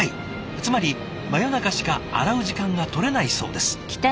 つまり真夜中しか洗う時間がとれないそうです。